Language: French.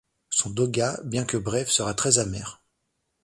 Son dogat bien que bref sera très amer.